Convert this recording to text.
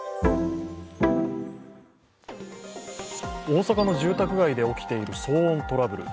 大阪の住宅街で起きている騒音トラブル。